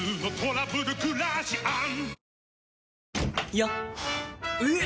よっ！